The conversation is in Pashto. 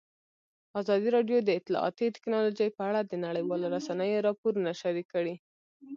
ازادي راډیو د اطلاعاتی تکنالوژي په اړه د نړیوالو رسنیو راپورونه شریک کړي.